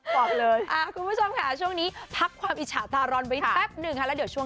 ขอบคุณผู้ชมค่ะช่วงนี้พักความอิจฉาตารอนไปแป๊บหนึ่งค่ะ